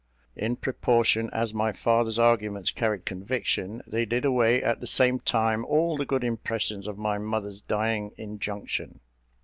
In proportion as my father's arguments carried conviction, they did away, at the same time, all the good impressions of my mother's dying injunction.